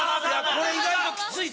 これ意外ときつい。